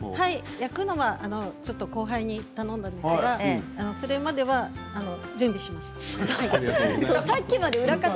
焼くのは後輩に頼みましたがそれまでは準備しました。